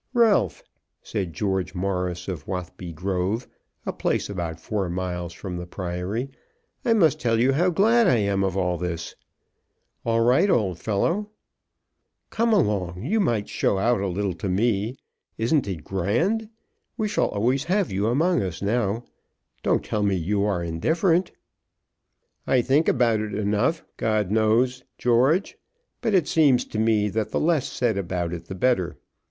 "Ralph," said George Morris, of Watheby Grove, a place about four miles from the Priory, "I must tell you how glad I am of all this." "All right, old fellow." "Come; you might show out a little to me. Isn't it grand? We shall always have you among us now. Don't tell me that you are indifferent." "I think enough about it, God knows, George. But it seems to me that the less said about it the better.